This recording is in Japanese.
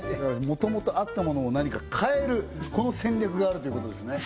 元々あったものを何か変えるこの戦略があるということですね